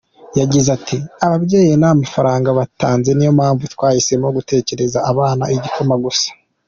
Yagize ati “Ababyeyi nta mafaranga batanze, niyo mpamvu twahisemo gutekera abana igikoma gusa.